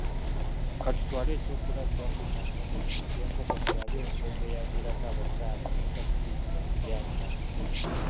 Ka tutwale eky’okulabirako kimu eky’enkoko tulabe ensonga eyaviirako abakyala obutakkirizibwa kulya nkoko.